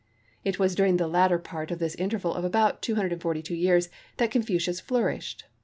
It was during the latter part of this interval of about 242 years that Confucius flourished.